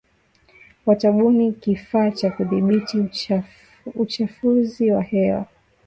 Watabuni kifaa cha kudhibiti uchafuzi wa hewa